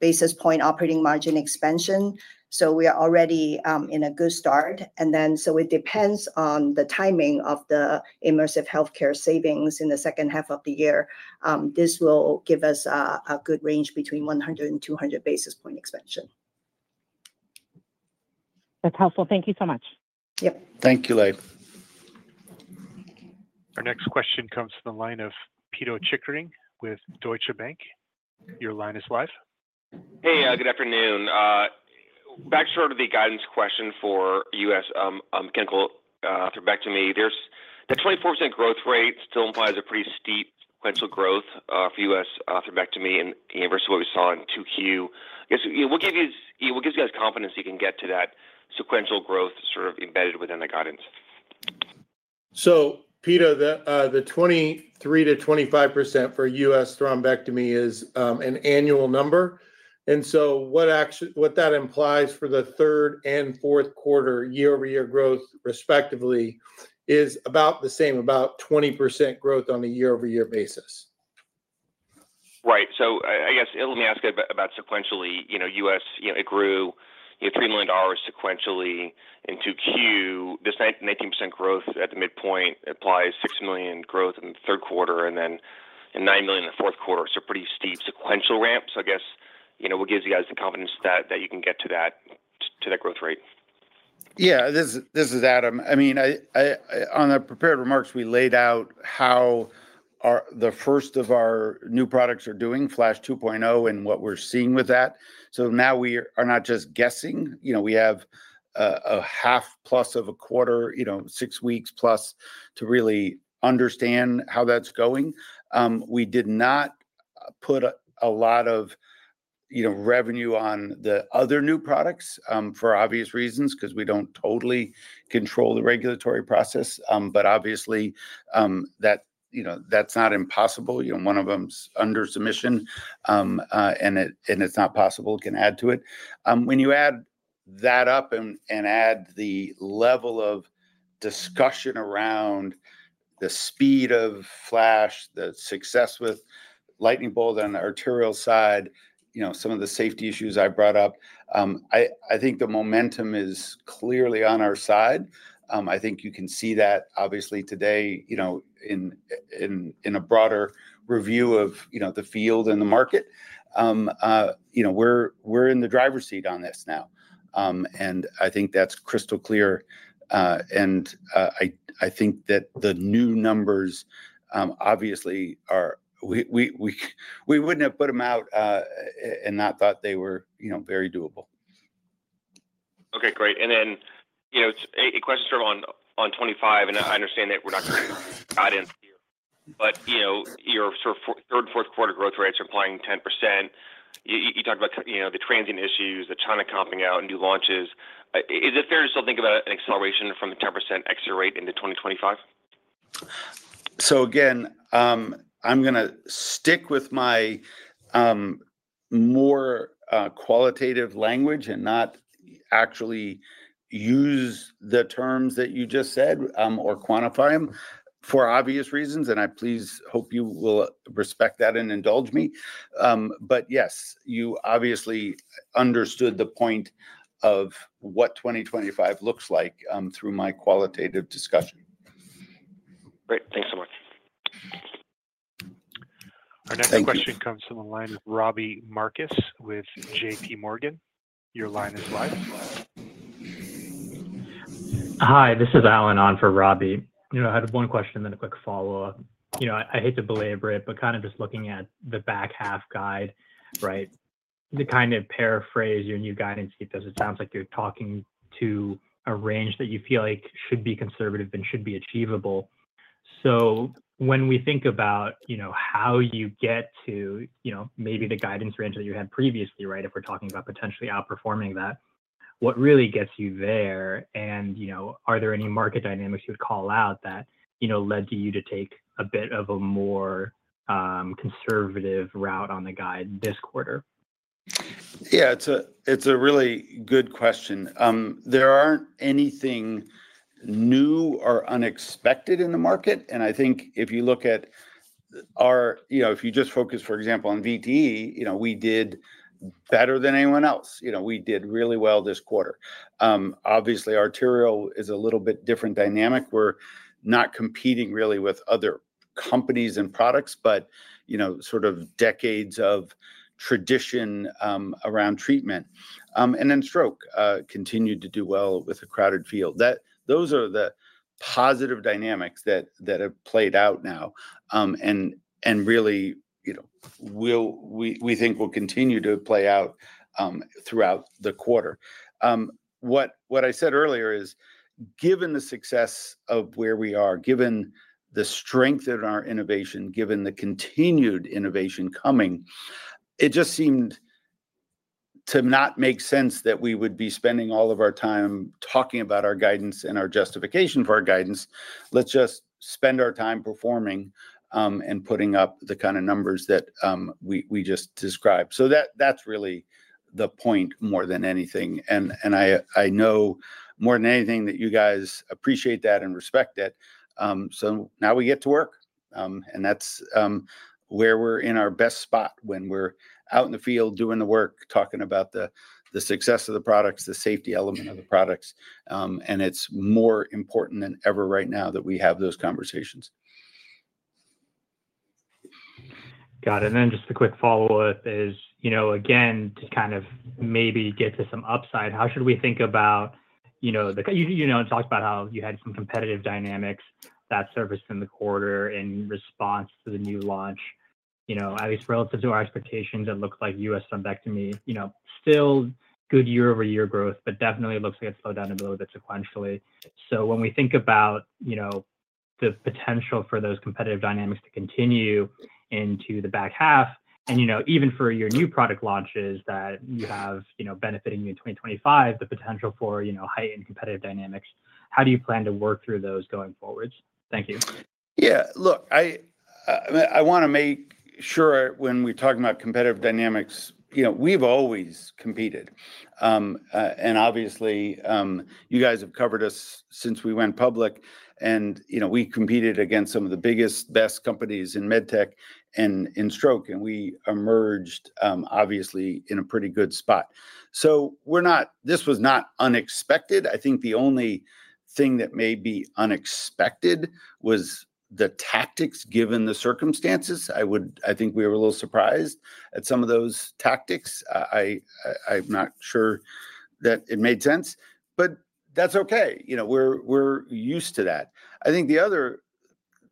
basis point operating margin expansion, so we are already in a good start. And then, so it depends on the timing of the Immersive Healthcare savings in the second half of the year. This will give us a good range between 100 and 200 basis point expansion. That's helpful. Thank you so much. Yep. Thank you, Leigh. Our next question comes from the line of Pito Chickering with Deutsche Bank. Your line is live. Hey, good afternoon. Back short of the guidance question for U.S. clinical thrombectomy, there's... The 24% growth rate still implies a pretty steep sequential growth for U.S. thrombectomy and versus what we saw in 2Q. I guess, what gives you, what gives you guys confidence you can get to that sequential growth sort of embedded within the guidance? So, Peter, the 23%-25% for US thrombectomy is an annual number, and so what that implies for the third and fourth quarter year-over-year growth respectively is about the same, about 20% growth on a year-over-year basis. Right. So I guess, let me ask about sequentially. You know, US, you know, it grew, you know, $3 million sequentially in 2Q. This 19% growth at the midpoint implies $6 million growth in the third quarter, and then $9 million in the fourth quarter, so pretty steep sequential ramp. So I guess, you know, what gives you guys the confidence that you can get to that growth rate? Yeah. This is Adam. I mean, on our prepared remarks, we laid out how our the first of our new products are doing, Flash 2.0, and what we're seeing with that. So now we are not just guessing. You know, we have a half plus of a quarter, you know, 6 weeks plus, to really understand how that's going. We did not put a lot of, you know, revenue on the other new products, for obvious reasons, 'cause we don't totally control the regulatory process. But obviously, that, you know, that's not impossible. You know, one of them's under submission, and it, and it's not possible can add to it. When you add that up and add the level of discussion around the speed of Flash, the success with Lightning Bolt on the arterial side, you know, some of the safety issues I've brought up, I think the momentum is clearly on our side. I think you can see that obviously today, you know, in a broader review of, you know, the field and the market. You know, we're in the driver's seat on this now, and I think that's crystal clear. And I think that the new numbers obviously are we wouldn't have put them out and not thought they were, you know, very doable. Okay, great. And then, you know, it's a question sort of on 2025, and I understand that we're not going to guidance here. But, you know, your sort of third, fourth quarter growth rates are implying 10%. You talked about, you know, the transient issues, the China comping out, new launches. Is it fair to still think about an acceleration from the 10% accel rate into 2025? So again, I'm gonna stick with my more qualitative language and not actually use the terms that you just said or quantify them, for obvious reasons, and I please hope you will respect that and indulge me. But yes, you obviously understood the point of what 2025 looks like through my qualitative discussion. Great. Thanks so much. Thank you. Our next question comes from the line of Robbie Marcus with J.P. Morgan. Your line is live. Hi, this is Alan on for Robbie. You know, I had one question, then a quick follow-up. You know, I hate to belabor it, but kind of just looking at the back half guide, right? To kind of paraphrase your new guidance, because it sounds like you're talking to a range that you feel like should be conservative and should be achievable. So when we think about, you know, how you get to, you know, maybe the guidance range that you had previously, right? If we're talking about potentially outperforming that, what really gets you there, and, you know, are there any market dynamics you would call out that, you know, led to you to take a bit of a more, conservative route on the guide this quarter? Yeah, it's a, it's a really good question. There aren't anything new or unexpected in the market, and I think if you look at our, you know, if you just focus, for example, on VTE, you know, we did better than anyone else. You know, we did really well this quarter. Obviously, arterial is a little bit different dynamic. We're not competing really with other companies and products, but, you know, sort of decades of tradition around treatment. And then stroke continued to do well with a crowded field. Those are the positive dynamics that have played out now, and really, you know, we think will continue to play out throughout the quarter. What I said earlier is, given the success of where we are, given the strength in our innovation, given the continued innovation coming, it just seemed to not make sense that we would be spending all of our time talking about our guidance and our justification for our guidance. Let's just spend our time performing, and putting up the kind of numbers that we just described. So that's really the point more than anything. And I know more than anything that you guys appreciate that and respect it. So now we get to work, and that's where we're in our best spot when we're out in the field doing the work, talking about the success of the products, the safety element of the products. And it's more important than ever right now that we have those conversations. Got it. And then just a quick follow-up is, you know, again, to kind of maybe get to some upside, how should we think about... You know, you know, talked about how you had some competitive dynamics that surfaced in the quarter in response to the new launch. You know, at least relative to our expectations, it looks like US thrombectomy, you know, still good year-over-year growth, but definitely looks like it slowed down a little bit sequentially. So when we think about, you know, the potential for those competitive dynamics to continue into the back half, and, you know, even for your new product launches that you have, you know, benefiting you in 2025, the potential for, you know, heightened competitive dynamics, how do you plan to work through those going forward? Thank you. Yeah, look, I wanna make sure when we talk about competitive dynamics, you know. We've always competed. And obviously, you guys have covered us since we went public, and, you know, we competed against some of the biggest, best companies in medtech and in stroke, and we emerged, obviously, in a pretty good spot. So we're not. This was not unexpected. I think the only thing that may be unexpected was the tactics given the circumstances. I think we were a little surprised at some of those tactics. I'm not sure that it made sense, but that's okay. You know, we're used to that. I think the other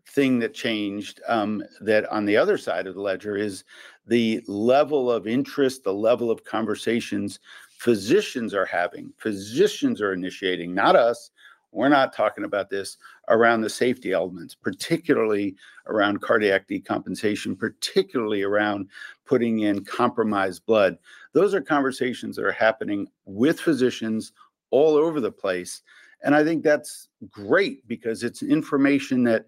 thing that changed, that on the other side of the ledger is the level of interest, the level of conversations physicians are having, physicians are initiating, not us. We're not talking about this around the safety elements, particularly around cardiac decompensation, particularly around putting in compromised blood. Those are conversations that are happening with physicians all over the place, and I think that's great because it's information that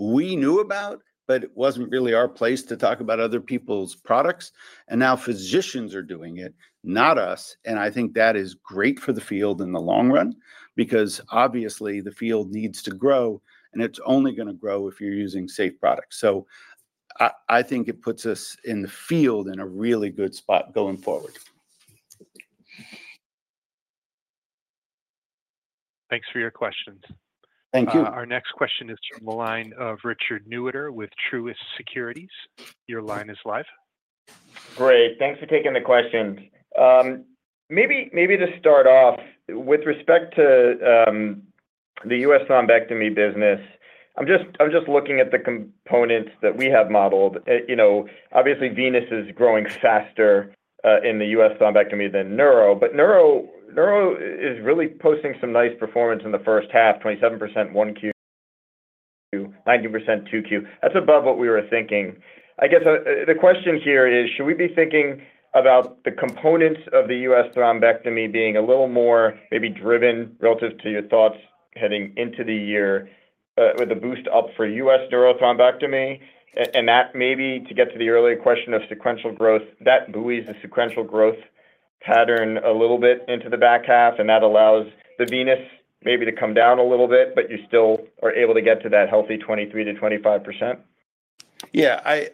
we knew about, but it wasn't really our place to talk about other people's products, and now physicians are doing it, not us, and I think that is great for the field in the long run, because obviously the field needs to grow, and it's only gonna grow if you're using safe products. So I, I think it puts us in the field in a really good spot going forward. Thanks for your questions. Thank you. Our next question is from the line of Richard Newitter with Truist Securities. Your line is live. Great. Thanks for taking the questions. Maybe, maybe to start off, with respect to the U.S. thrombectomy business, I'm just looking at the components that we have modeled. You know, obviously, venous is growing faster in the U.S. thrombectomy than neuro. But neuro is really posting some nice performance in the first half, 27%, 1Q, 2Q—19%, 2Q. That's above what we were thinking. I guess the question here is: should we be thinking about the components of the U.S. thrombectomy being a little more maybe driven relative to your thoughts heading into the year, with a boost up for U.S. neuro thrombectomy? And that maybe to get to the earlier question of sequential growth, that buoys the sequential growth pattern a little bit into the back half, and that allows the venous maybe to come down a little bit, but you still are able to get to that healthy 23%-25%? Yeah,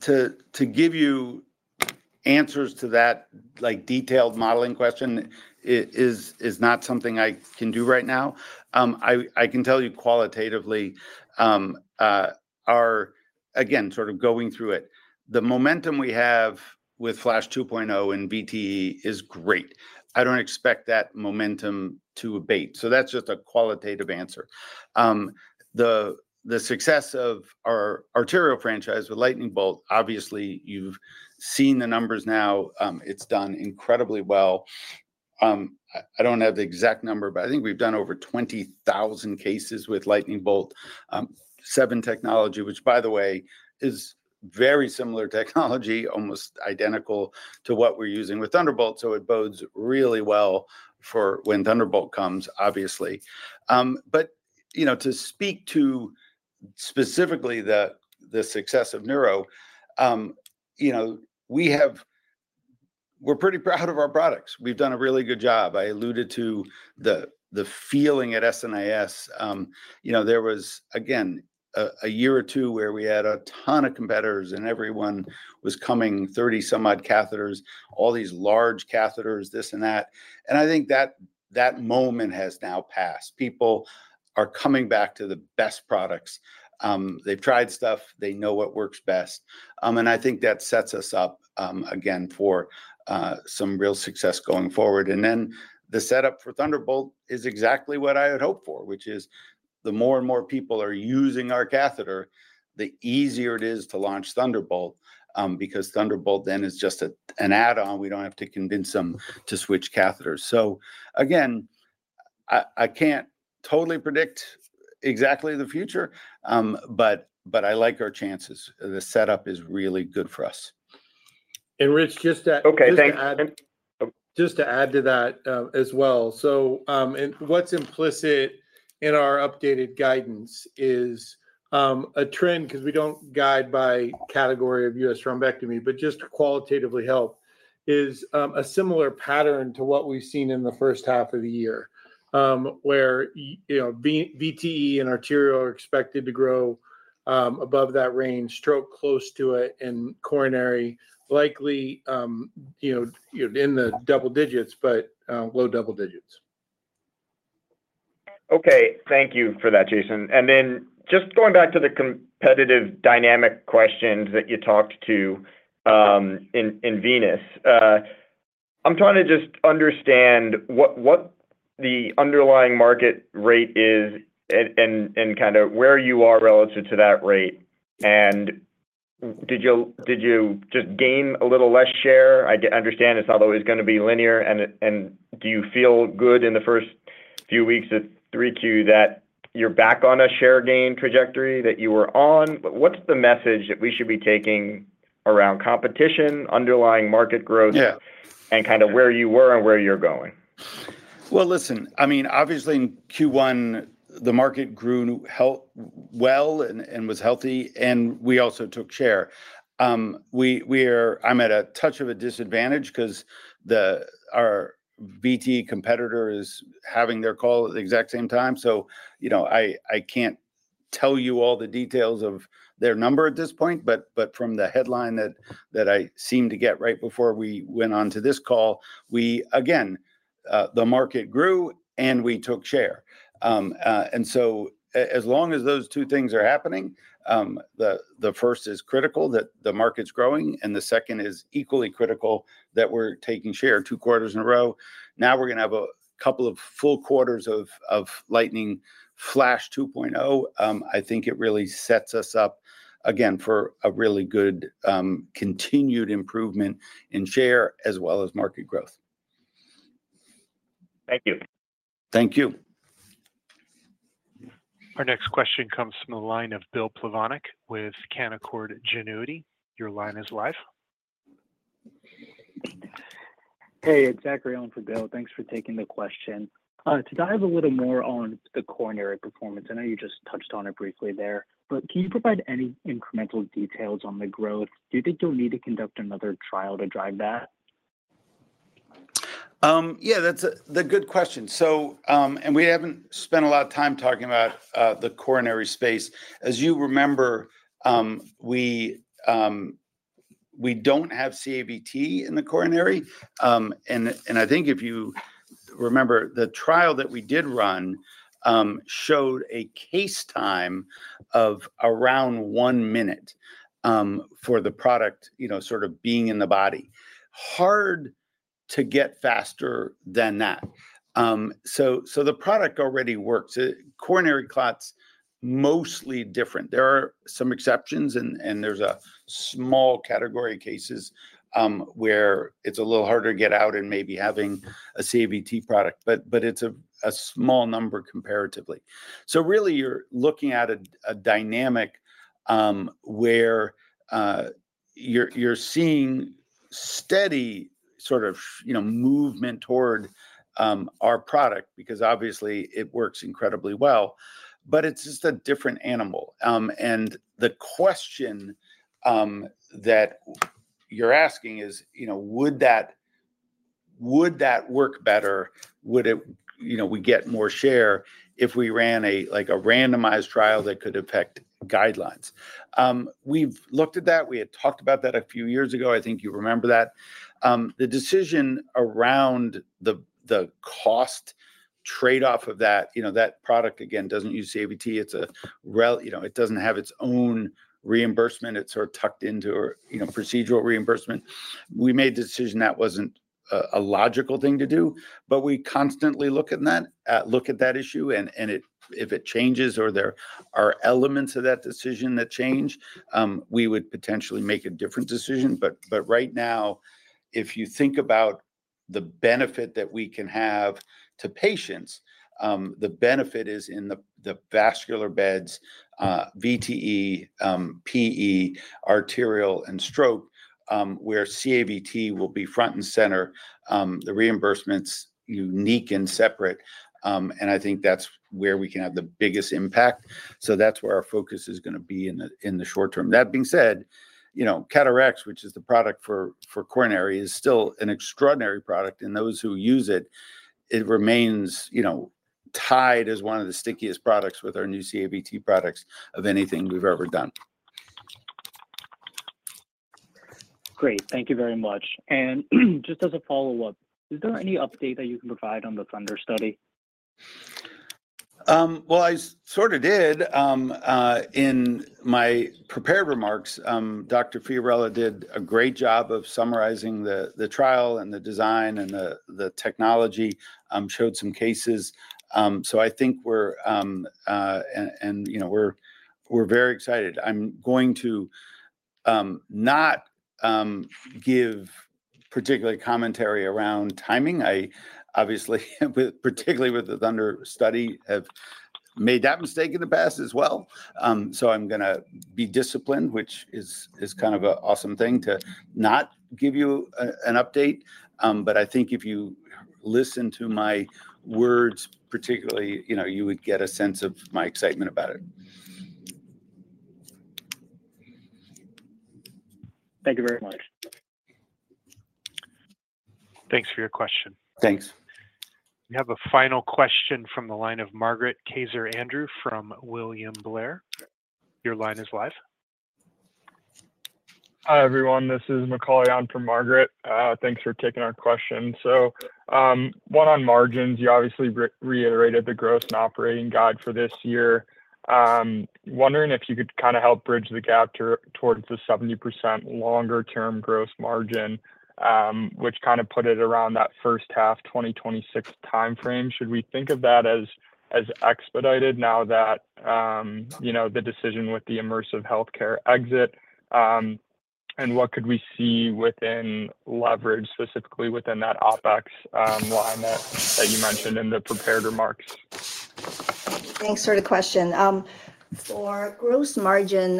to give you answers to that, like, detailed modeling question, is not something I can do right now. I can tell you qualitatively, our... Again, sort of going through it, the momentum we have with Flash 2.0 in VTE is great. I don't expect that momentum to abate, so that's just a qualitative answer. The success of our arterial franchise with Lightning Bolt, obviously, you've seen the numbers now. It's done incredibly well. I don't have the exact number, but I think we've done over 20,000 cases with Lightning Bolt 7 technology, which, by the way, is very similar technology, almost identical to what we're using with Thunderbolt. So it bodes really well for when Thunderbolt comes, obviously. But, you know, to speak to specifically the success of neuro, you know, we have - we're pretty proud of our products. We've done a really good job. I alluded to the feeling at SNIS. You know, there was, again, a year or two where we had a ton of competitors, and everyone was coming, 30-some-odd catheters, all these large catheters, this and that, and I think that that moment has now passed. People are coming back to the best products. They've tried stuff. They know what works best. And I think that sets us up, again, for some real success going forward. And then the setup for Thunderbolt is exactly what I had hoped for, which is the more and more people are using our catheter, the easier it is to launch Thunderbolt, because Thunderbolt then is just an add-on. We don't have to convince them to switch catheters. So again, I can't totally predict exactly the future, but I like our chances. The setup is really good for us. Rich, just to add- Okay, thanks. Just to add to that, as well. So, and what's implicit in our updated guidance is, a trend, 'cause we don't guide by category of US thrombectomy, but just qualitatively health, is, a similar pattern to what we've seen in the first half of the year, where you know, VTE and arterial are expected to grow, above that range, stroke close to it, and coronary likely, you know, in the double digits, but, low double digits. Okay. Thank you for that, Jason. And then just going back to the competitive dynamic questions that you talked to in venous, I'm trying to just understand what the underlying market rate is and kind of where you are relative to that rate. And did you just gain a little less share? I get. I understand it's not always gonna be linear. And do you feel good in the first few weeks of 3Q that you're back on a share gain trajectory that you were on? But what's the message that we should be taking around competition, underlying market growth- Yeah... and kind of where you were and where you're going? Well, listen, I mean, obviously in Q1, the market grew healthy, well, and was healthy, and we also took share. We're at a touch of a disadvantage 'cause our VTE competitor is having their call at the exact same time. So, you know, I can't tell you all the details of their number at this point, but from the headline that I seemed to get right before we went on to this call, we, again, the market grew, and we took share. And so as long as those two things are happening, the first is critical, that the market's growing, and the second is equally critical, that we're taking share two quarters in a row. Now we're gonna have a couple of full quarters of Lightning Flash 2.0. I think it really sets us up again for a really good, continued improvement in share as well as market growth. Thank you. Thank you. Our next question comes from the line of Bill Plovanic with Canaccord Genuity. Your line is live. Hey, it's Zachary in for Bill. Thanks for taking the question. To dive a little more on the coronary performance, I know you just touched on it briefly there, but can you provide any incremental details on the growth? Do you think you'll need to conduct another trial to drive that? Yeah, that's the good question. So, and we haven't spent a lot of time talking about the coronary space. As you remember, we don't have CAVT in the coronary. And I think if you remember, the trial that we did run showed a case time of around 1 minute for the product, you know, sort of being in the body. Hard to get faster than that. So the product already works. Coronary clot's mostly different. There are some exceptions, and there's a small category of cases where it's a little harder to get out and maybe having a CAVT product, but it's a small number comparatively. So really you're looking at a dynamic where you're seeing steady sort of, you know, movement toward our product because obviously, it works incredibly well, but it's just a different animal. And the question that you're asking is, you know, would that work better? Would it, you know, we get more share if we ran like a randomized trial that could affect guidelines? We've looked at that. We had talked about that a few years ago. I think you remember that. The decision around the cost trade-off of that, you know, that product, again, doesn't use CAVT. You know, it doesn't have its own reimbursement. It's sort of tucked into or, you know, procedural reimbursement. We made the decision that wasn't a logical thing to do, but we constantly look at that, look at that issue, and if it changes or there are elements of that decision that change, we would potentially make a different decision. But right now, if you think about the benefit that we can have to patients, the benefit is in the, the vascular beds, VTE, PE, arterial, and stroke, where CAVT will be front and center, the reimbursement's unique and separate. And I think that's where we can have the biggest impact. So that's where our focus is gonna be in the, in the short term. That being said, you know, CAT RX, which is the product for, for coronary, is still an extraordinary product, and those who use it, it remains, you know, tied as one of the stickiest products with our new CAVT products of anything we've ever done. Great. Thank you very much. And just as a follow-up, is there any update that you can provide on the THUNDER study? Well, I sort of did in my prepared remarks. Dr. Fiorella did a great job of summarizing the trial and the design, and the technology showed some cases. So I think we're, and you know, we're very excited. I'm going to not give particularly commentary around timing. I obviously, with particularly with the THUNDER study, have made that mistake in the past as well. So I'm gonna be disciplined, which is kind of a awesome thing to not give you a an update. But I think if you listen to my words, particularly, you know, you would get a sense of my excitement about it. Thank you very much. Thanks for your question. Thanks. We have a final question from the line of Margaret Kaczor Andrew from William Blair. Your line is live. Hi, everyone. This is Macauley on for Margaret. Thanks for taking our question. So, one on margins, you obviously reiterated the growth and operating guide for this year. Wondering if you could kind of help bridge the gap towards the 70% longer term gross margin, which kind of put it around that first half, 2026 timeframe. Should we think of that as expedited now that, you know, the decision with the Immersive Healthcare exit? And what could we see within leverage, specifically within that OpEx lineup that you mentioned in the prepared remarks? Thanks for the question. For gross margin,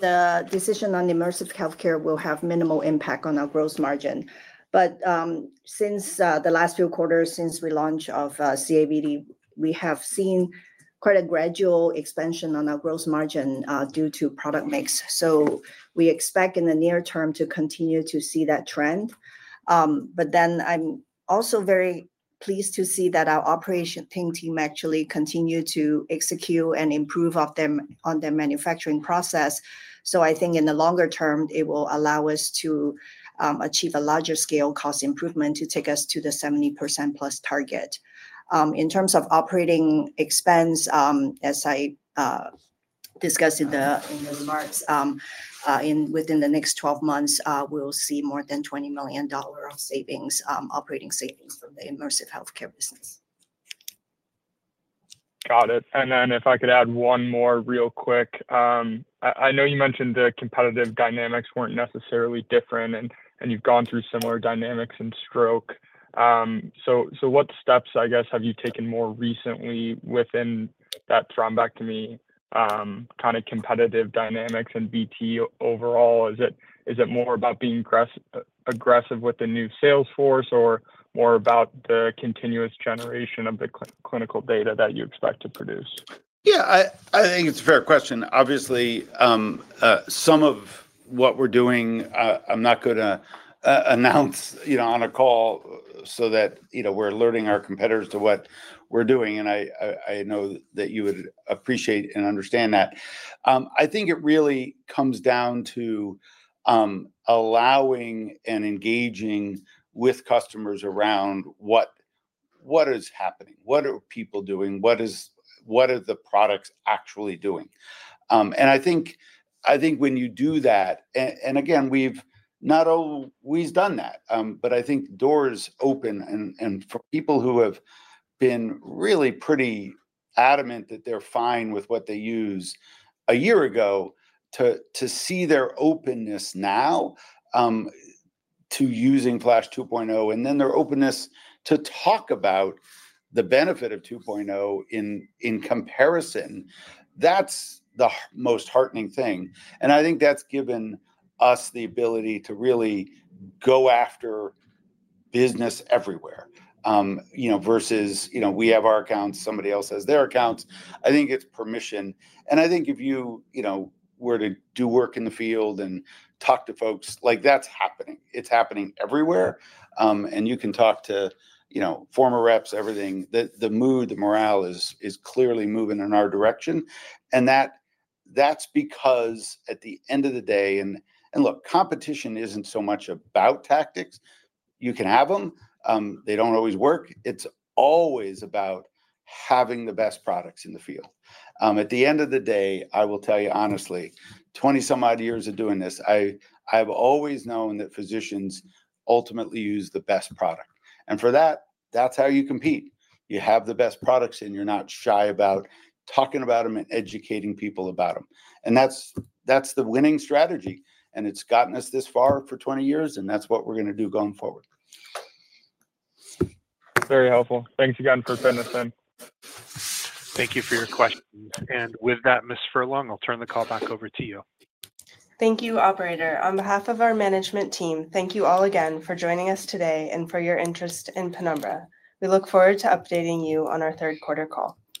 the decision on Immersive Healthcare will have minimal impact on our gross margin. But since the last few quarters, since the launch of CAVT, we have seen quite a gradual expansion on our gross margin due to product mix. So we expect in the near term to continue to see that trend. But then I'm also very pleased to see that our operations team actually continues to execute and improve on their manufacturing process. So I think in the longer term, it will allow us to achieve a larger scale cost improvement to take us to the 70%+ target. In terms of operating expense, as I discussed in the remarks, within the next 12 months, we'll see more than $20 million dollar savings, operating savings from the Immersive Healthcare business. Got it. And then if I could add one more real quick. I, I know you mentioned the competitive dynamics weren't necessarily different, and, and you've gone through similar dynamics in stroke. So, so what steps, I guess, have you taken more recently within that thrombectomy kind of competitive dynamics and VTE overall? Is it, is it more about being aggressive with the new sales force, or more about the continuous generation of the clinical data that you expect to produce? Yeah, I think it's a fair question. Obviously, some of what we're doing, I'm not gonna announce, you know, on a call so that, you know, we're alerting our competitors to what we're doing, and I know that you would appreciate and understand that. I think it really comes down to allowing and engaging with customers around what is happening, what are people doing, what are the products actually doing? And I think when you do that... And again, we've done that, but I think doors open and and for people who have been really pretty adamant that they're fine with what they use a year ago, to to see their openness now to using Flash 2.0, and then their openness to talk about the benefit of 2.0 in in comparison, that's the most heartening thing. And I think that's given us the ability to really go after business everywhere. You know, versus, you know, we have our accounts, somebody else has their accounts. I think it's permission, and I think if you, you know, were to do work in the field and talk to folks, like, that's happening, it's happening everywhere. You can talk to, you know, former reps, everything, the mood, the morale is clearly moving in our direction, and that's because at the end of the day, look, competition isn't so much about tactics. You can have them. They don't always work. It's always about having the best products in the field. At the end of the day, I will tell you honestly, 20-some odd years of doing this, I've always known that physicians ultimately use the best product, and that's how you compete. You have the best products, and you're not shy about talking about them and educating people about them, and that's the winning strategy, and it's gotten us this far for 20 years, and that's what we're gonna do going forward. Very helpful. Thanks again for attending, Tim. Thank you for your questions. With that, Ms. Furlong, I'll turn the call back over to you. Thank you, operator. On behalf of our management team, thank you all again for joining us today and for your interest in Penumbra. We look forward to updating you on our third quarter call.